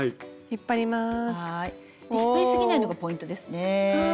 引っ張りすぎないのがポイントですね。